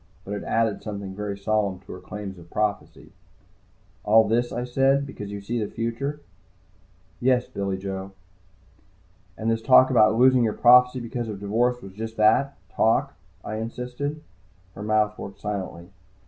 But it added something very solid to her claims of prophecy. "All this," I said. "Because you see the future?" "Yes, Billy Joe." "And this talk about losing your prophecy because of divorce was just that, talk?" I insisted. Her mouth worked silently.